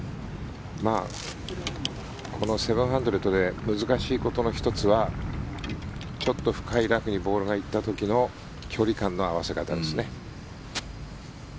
このセブンハンドレッドで難しいことの１つはちょっと深いラフにボールが行った時の距離感の合わせ方ですね。